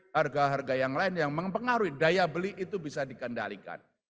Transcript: harga harga yang lain yang mempengaruhi daya beli itu bisa dikendalikan